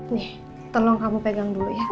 nih tolong kamu pegang dulu ya